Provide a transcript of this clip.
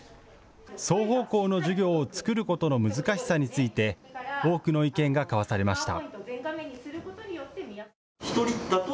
双方向の授業を作ることの難しさについて多くの意見が交わされました。